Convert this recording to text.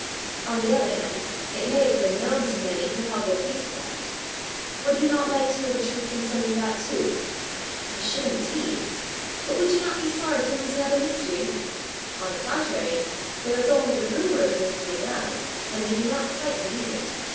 On the other hand it may have been known to many who held their peace about it. Would you not like to know the truth concerning that too?" "I should indeed. But would not you be sorry to lose another mystery?" "On the contrary, there is only the rumour of a mystery now, and we do not quite believe it.